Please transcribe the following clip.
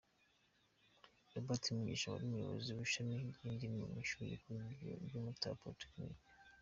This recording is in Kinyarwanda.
Robert Mugisha wari umuyobozi wishami ryindimi mu ishuri rikuru ryumutara polytechnic.